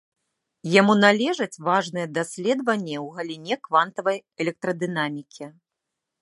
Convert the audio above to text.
Яму належаць важныя даследаванні ў галіне квантавай электрадынамікі.